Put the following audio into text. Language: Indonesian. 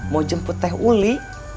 mau jemput teh uli